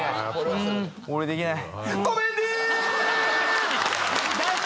俺できない。